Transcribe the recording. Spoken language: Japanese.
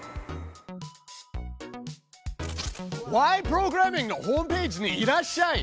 プログラミング」のホームページにいらっしゃい。